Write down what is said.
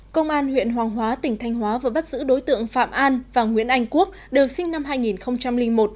công an huyện hoàng hóa tỉnh thanh hóa vừa bắt giữ đối tượng phạm an và nguyễn anh quốc đều sinh năm hai nghìn một